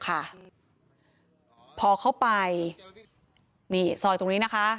พอเข้าไปนี่ซอยตรงนี้นะคะ